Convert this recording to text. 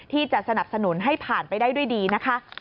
สนับสนุนให้ผ่านไปได้ด้วยดีนะคะ